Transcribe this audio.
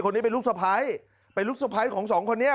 คนนี้เป็นลูกสะพ้ายเป็นลูกสะพ้ายของสองคนนี้